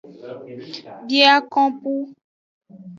Biakopo.